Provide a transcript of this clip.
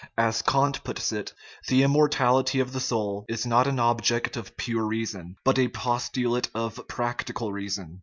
As Kant puts it, the immortality of the soul is not an object of pure reason, but a " postulate of practical reason.